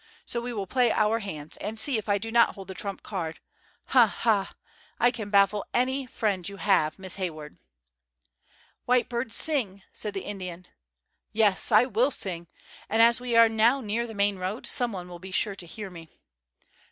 So we will play our hands, and see if I do not hold the trump card. Ha! ha! I can baffle any friend you have, Miss Hayward." "White Bird sing," said the Indian. "Yes, I will sing. And as we are now near the main road, some one will be sure to hear me."